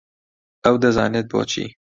ئەو دەزانێت بۆچی.